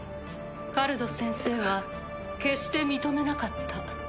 カルド先生は決して認めなかった。